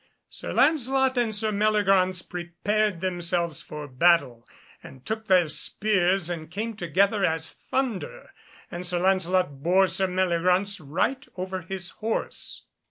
Sir Lancelot and Sir Meliagraunce prepared themselves for battle, and took their spears, and came together as thunder, and Sir Lancelot bore Sir Meliagraunce right over his horse.